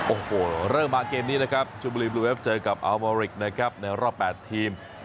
โอ้โหเริ่มมาเกมนี้นะครับชมบุรีบลูเวฟเจอกับอัลโมริกนะครับในรอบ๘ทีม